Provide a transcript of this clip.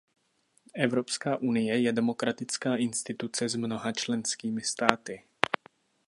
Evropská unie je demokratická instituce s mnoha členskými státy.